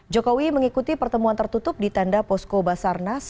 jokowi mengikuti pertemuan tertutup di tenda posko basarnas